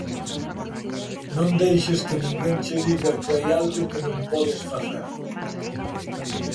Non deixes que ninguén che diga que hai algo que non podes facer.